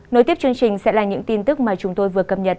nối tiếp chương trình sẽ là những tin tức mà chúng tôi vừa cập nhật